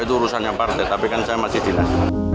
itu urusannya partai tapi kan saya masih dinas